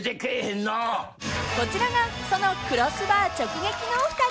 ［こちらがそのクロスバー直撃のお二人］